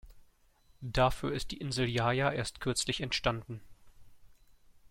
Dafür ist die Insel Jaja erst kürzlich entstanden.